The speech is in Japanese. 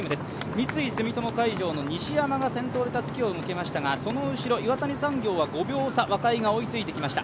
三井住友海上の西山が先頭でたすきを受けましたがその後ろ、岩谷産業は５秒差、若井が追いついてきました。